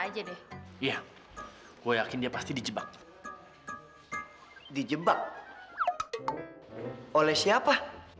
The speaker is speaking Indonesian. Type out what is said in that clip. jadikan rp tujuh ratus juta